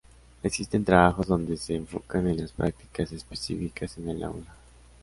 Existen trabajos donde se enfocan en las prácticas específicas en el aula.